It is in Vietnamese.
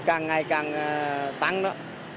càng ngày càng tăng đó